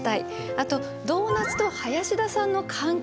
あとドーナツと林田さんの関係。